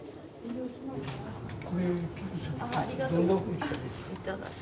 ありがとうございます。